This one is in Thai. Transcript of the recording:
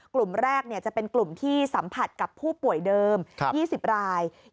กลุ่มแรกจะเป็นกลุ่มที่สัมผัสกับผู้ป่วยเดิม๒๐ราย